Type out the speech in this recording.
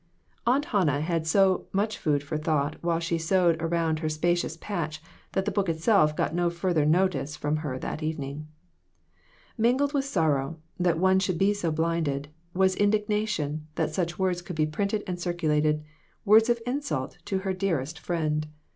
Aunt Hannah had so much food for thought while she sewed around her spacious patch that the book itself got no further notice from her that evening. Mingled with sorrow, that one should be so blinded, was indignation that such words could be printed and circulated words of insult to her dearest Friend.